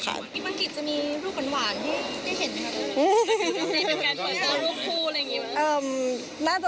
มีบางคลิปจะมีรูปหวานที่ได้เห็นไหมครับ